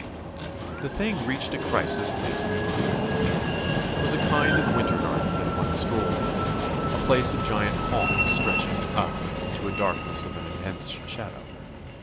The thing reached a crisis late in the evening. There was a kind of winter garden that one strolled in, a place of giant palms stretching up into a darkness of intense shadow.